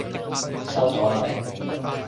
收咗喇咩？